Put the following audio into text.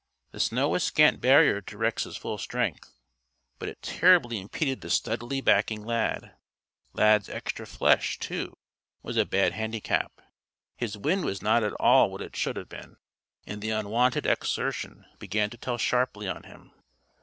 The snow was scant barrier to Rex's full strength, but it terribly impeded the steadily backing Lad. Lad's extra flesh, too, was a bad handicap; his wind was not at all what it should have been, and the unwonted exertion began to tell sharply on him.